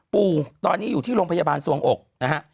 ปู่ตอนนี้อยู่ที่โรงพยาบาลสวงอกนะฮะ